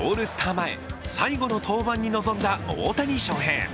前、最後の登板に臨んだ大谷翔平。